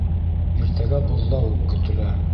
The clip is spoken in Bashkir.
Иртәгә боҙлауыҡ көтөлә